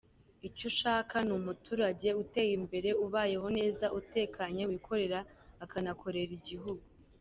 icyo dushaka ni umuturage uteye imbere, ubayeho neza, utekanye, wikorera akanakorera igihugu.